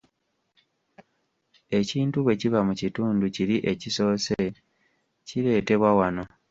Ekintu bwe kiva mu kitundu kiri ekisoose, kireetebwa wano.